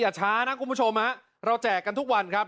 อย่าช้านะคุณผู้ชมเราแจกกันทุกวันครับ